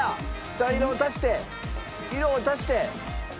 茶色を足して色を足して。